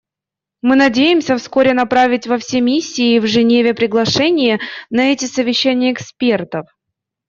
Мы надеемся вскоре направить во все миссии в Женеве приглашение на эти совещания экспертов.